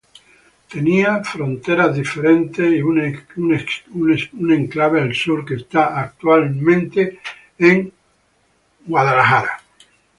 Tenía fronteras diferentes, y un exclave al sur que está actualmente en Wrexham.